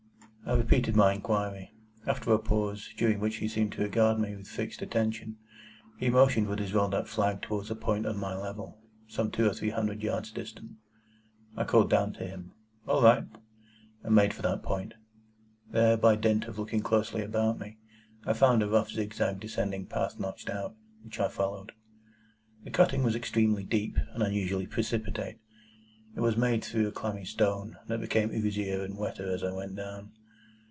I repeated my inquiry. After a pause, during which he seemed to regard me with fixed attention, he motioned with his rolled up flag towards a point on my level, some two or three hundred yards distant. I called down to him, "All right!" and made for that point. There, by dint of looking closely about me, I found a rough zigzag descending path notched out, which I followed. The cutting was extremely deep, and unusually precipitate. It was made through a clammy stone, that became oozier and wetter as I went down.